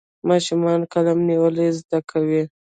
ماشومان قلم نیول زده کوي.